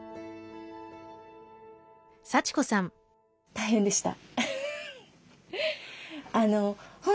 大変でした。